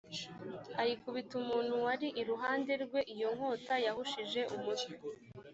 ayikubita umuntu wari iruhande rwe iyo nkota yahushije umutwe